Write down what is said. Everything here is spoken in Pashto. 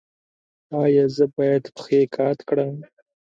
ایا زه باید پښې قات کړم؟